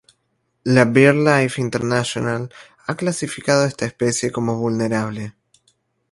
La BirdLife International ha clasificado esta especie como "vulnerable".